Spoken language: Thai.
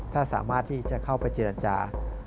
ถ้าสามารถที่จะเข้าไปจีนอาจารย์